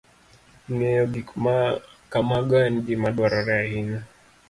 Ng'eyo gik ma kamago en gima dwarore ahinya.